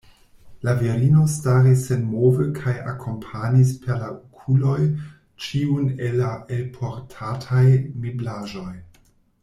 La virino staris senmove kaj akompanis per la okuloj ĉiun el la elportataj meblaĵoj.